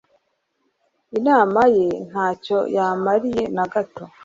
inama ye ntacyo yamariye na gato